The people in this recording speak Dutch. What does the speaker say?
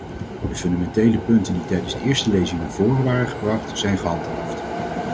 De fundamentele punten die tijdens de eerste lezing naar voren waren gebracht, zijn gehandhaafd.